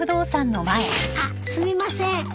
あっすみません。